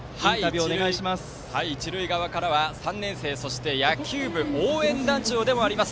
一塁側からは３年生、そして野球部応援団長でもあります